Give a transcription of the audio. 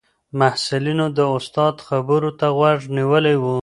محصلینو د استاد خبرو ته غوږ نیولی و.